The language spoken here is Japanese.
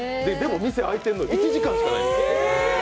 でも、店開いてるの１時間しかない。